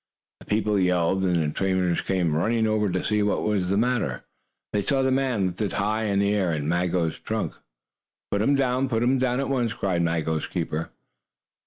The people yelled, and the trainers came running over to see what was the matter. They saw the man lifted high in the air in Maggo's trunk. "Put him down! Put him down at once!" cried Maggo's keeper.